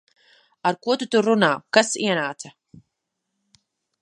Ar ko tu tur runā? Kas ienāca?